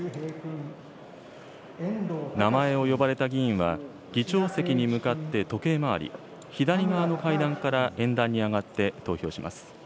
名前を呼ばれた議員は議長席に向かって時計回り、左側の階段から演壇に上がって投票します。